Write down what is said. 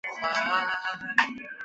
宋初蓟州渔阳人。